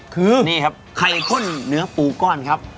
คือนี่ครับไข่ข้นเนื้อปูก้อนครับ